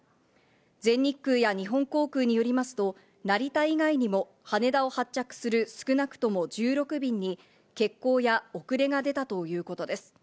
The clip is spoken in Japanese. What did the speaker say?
全日空や日本航空によりますと、成田以外にも羽田を発着する少なくとも１６便に欠航や遅れが出たということです。